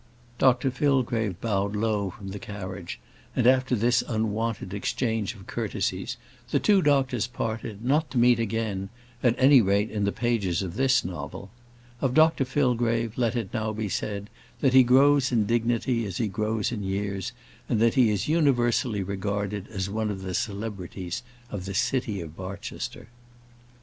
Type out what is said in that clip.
Dr Fillgrave bowed low from the carriage, and after this unwonted exchange of courtesies, the two doctors parted, not to meet again at any rate, in the pages of this novel. Of Dr Fillgrave, let it now be said, that he grows in dignity as he grows in years, and that he is universally regarded as one of the celebrities of the city of Barchester.